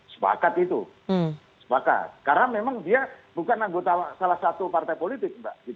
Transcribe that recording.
sepakat itu sepakat karena memang dia bukan anggota salah satu partai politik mbak